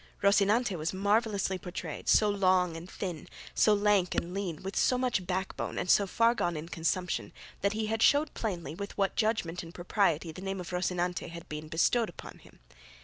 Rocinante was marvellously portrayed, so long and thin, so lank and lean, with so much backbone and so far gone in consumption, that he showed plainly with what judgment and propriety the name of Rocinante had been bestowed upon him.